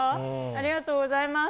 ありがとうございます！